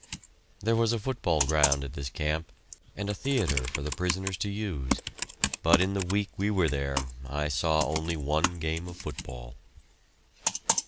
There was a football ground at this camp, and a theatre for the prisoners to use, but in the week we were there I saw only one game of football.